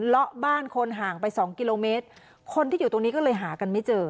ละบ้านคนห่างไปสองกิโลเมตรคนที่อยู่ตรงนี้ก็เลยหากันไม่เจอ